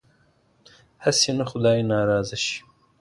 هسې نه خدای ناراضه شي.